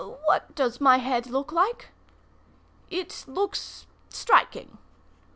. What does my head look like?" "It looks striking."